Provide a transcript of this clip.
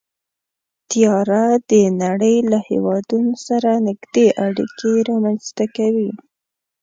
طیاره د نړۍ له هېوادونو سره نږدې اړیکې رامنځته کوي.